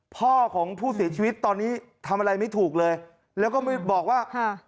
พ่อของผู้เสียชีวิตตอนนี้ทำอะไรไม่ถูกเลยแล้วก็ไม่บอกว่าค่ะ